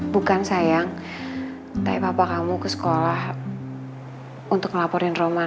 bukan sayang tapi bapak kamu ke sekolah untuk ngelaporin roman